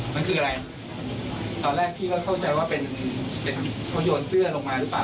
มันคืออะไรตอนแรกพี่ก็เข้าใจว่าเป็นเขาโยนเสื้อลงมาหรือเปล่า